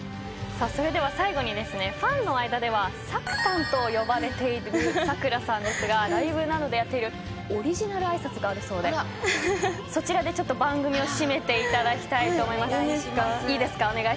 それでは最後にファンの間ではさくたんと呼ばれている桜さんですがライブなどでやっているオリジナルの挨拶があるそうでそちらで番組を締めていただきたいと思います。